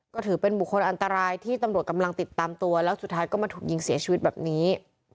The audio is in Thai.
ก็ถือเป็นบุคคลอันตรายที่ตำรวจกำลังติดตามตัวแล้วสุดท้ายก็มาถูกยิงเสียชีวิตแบบนี้